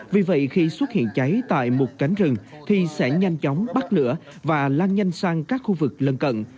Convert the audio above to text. vì vậy khi xuất hiện cháy tại một cánh rừng thì sẽ nhanh chóng bắt lửa và lan nhanh sang các khu vực lân cận